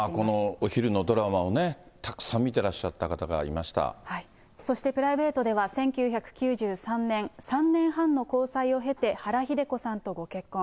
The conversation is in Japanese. このお昼のドラマをね、たくさん見てらっしゃった方がいましそしてプライベートでは１９９３年、３年半の交際を経て、原日出子さんとご結婚。